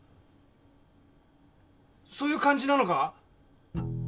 そういう感じなのか？